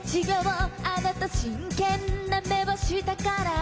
「あなた真剣な目をしたから」